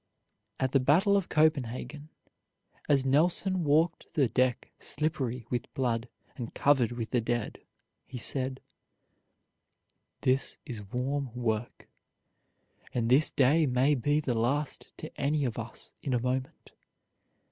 At the battle of Copenhagen, as Nelson walked the deck slippery with blood and covered with the dead, he said: "This is warm work, and this day may be the last to any of us in a moment.